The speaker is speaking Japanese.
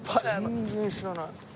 全然知らない。